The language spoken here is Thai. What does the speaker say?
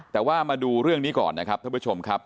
แต่ว่ามาดูเรื่องนี้ก่อนนะครับท่านผู้ชมครับ